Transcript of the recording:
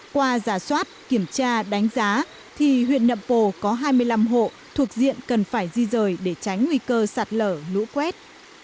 qua giả soát kiểm tra đánh giá thì huyện nậm pồ có hai mươi năm hộ thuộc diện cần phải di rời để tránh nguy cơ sạt lở lũ quét